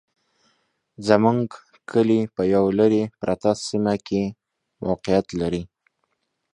زموږ کلي په يوه لري پرته سيمه کي موقعيت لري